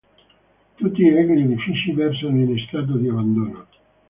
Tutti gli edifici versano in stato di abbandono.